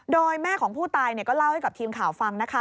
โดยแม่ของผู้ตายก็เล่าให้กับทีมข่าวฟังนะคะ